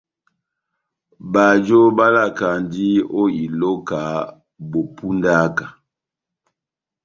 Bajo bálakandi ó iloka bó pundaka.